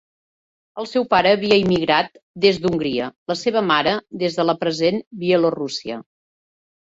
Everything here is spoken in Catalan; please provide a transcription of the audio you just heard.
El seu pare havia immigrat des d'Hongria; la seva mare des de la present Bielorússia.